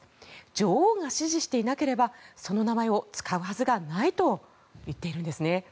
女王が支持していなければその名前を使うはずがないと言っているんですね。